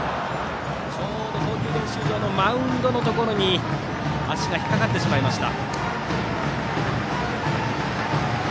ちょうど投球練習場のマウンドのところに足が引っかかってしまいました。